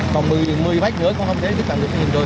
còn một mươi bách nữa cũng không thể tiếp cận được gì rồi